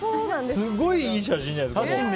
すごいいい写真じゃないですか。